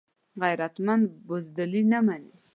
غیرتمند بزدلي نه مني